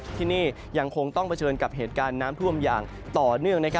ที่นี่ยังคงต้องเผชิญกับเหตุการณ์น้ำท่วมอย่างต่อเนื่อง